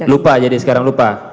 lupa jadi sekarang lupa